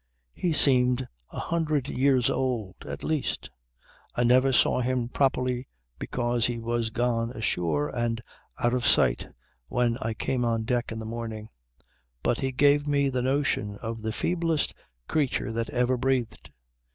"He seemed a hundred years old at least. I never saw him properly because he was gone ashore and out of sight when I came on deck in the morning; but he gave me the notion of the feeblest creature that ever breathed.